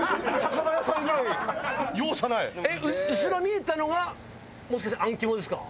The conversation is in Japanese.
後ろ見えたのがもしかしてあん肝ですか？